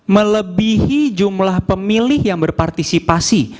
melebihi jumlah pemilih yang berpartisipasi